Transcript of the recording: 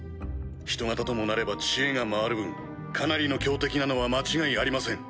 人型ともなれば知恵が回る分かなりの強敵なのは間違いありません。